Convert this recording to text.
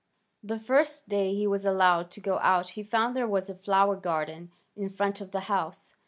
The first day he was allowed to go out he found there was a flower garden in front of the house.